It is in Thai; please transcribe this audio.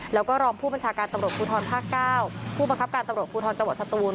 แล้วก็รองผู้บัญชาการตำรวจภูทรภาค๙ผู้บังคับการตำรวจภูทรจังหวัดสตูน